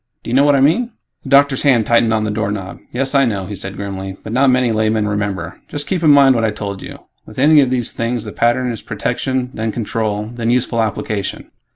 Do you know what I mean?" The doctor's hand tightened on the doorknob. "Yes, I know," he said grimly, "but not many laymen remember. Just keep in mind what I told you. With any of these things, the pattern is protection, then control, then useful application."